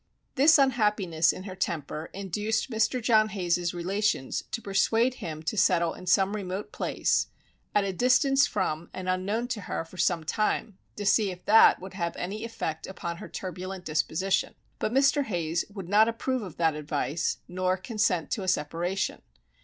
This unhappiness in her temper induced Mr. John Hayes's relations to persuade him to settle in some remote place, at a distance from and unknown to her for some time, to see if that would have any effect upon her turbulent disposition; but Mr. Hayes would not approve of that advice, nor consent to a separation.